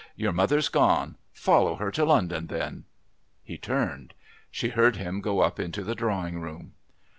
Your mother's gone follow her to London, then." He turned. She heard him go into the drawing room.